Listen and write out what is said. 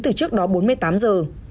từ trước đó bốn mươi tám giờ